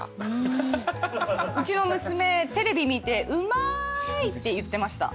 うちの娘テレビ見て「うまい」って言ってました。